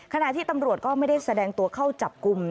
ขณะที่ตำรวจก็ไม่ได้แสดงตัวเข้าจับกลุ่ม